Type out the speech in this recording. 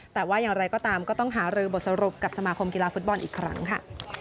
แต่ว่าอย่างไรก็ตามก็ต้องหารือบทสรุปกับสมาคมกีฬาฟุตบอลอีกครั้งค่ะ